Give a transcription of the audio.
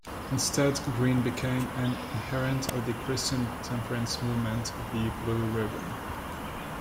Instead, Green became an adherent of the Christian temperance movement, the Blue Ribbon.